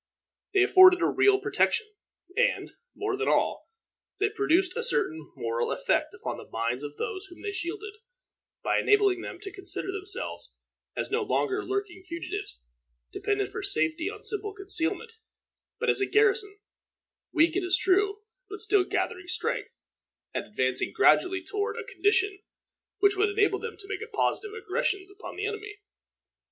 They afforded a real protection; and, more than all, they produced a certain moral effect upon the minds of those whom they shielded, by enabling them to consider themselves as no longer lurking fugitives, dependent for safety on simple concealment, but as a garrison, weak, it is true, but still gathering strength, and advancing gradually toward a condition which would enable them to make positive aggressions upon the enemy.